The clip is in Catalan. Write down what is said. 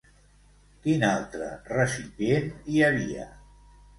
Quin altre recipient hi havia?